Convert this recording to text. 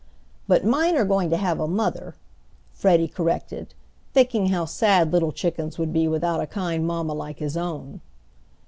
"But mine are going to have a mother," Freddie corrected, thinking how sad little chickens would be without a kind mamma like his own.